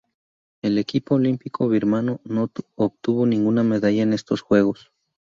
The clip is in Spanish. El equipo olímpico birmano no obtuvo ninguna medalla en estos Juegos.